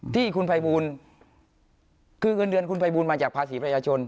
ที่คุณภัยบูลคือเงินเดือนคุณภัยบูลมาจากภาษีประชาชน